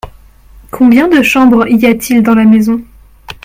Combien de chambres y a-t-il dans la maison ?